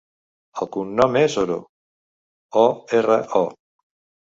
El cognom és Oro: o, erra, o.